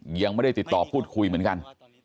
ยังไม่ได้ติดต่อพูดคุยเหมือนกัน